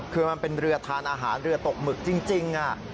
คือมันเป็นเรือทานอาหารเรือตกหมึกจริง